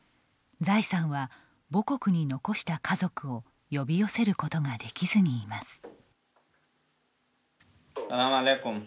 ザイさんは母国に残した家族を呼び寄せることができずにいます。